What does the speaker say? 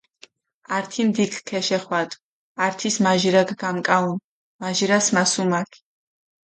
ართი ნდიქ ქეშეხვადუ, ართის მაჟირაქ გამკაჸუნუ, მაჟირას მასუმაქ.